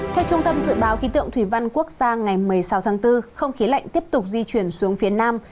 theo trung tâm dự báo khí tượng thủy văn quốc gia ngày một mươi sáu tháng bốn không khí lạnh tiếp tục di chuyển xuống phía nam